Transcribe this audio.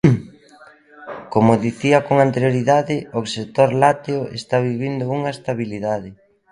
Como dicía con anterioridade, o sector lácteo está vivindo unha estabilidade.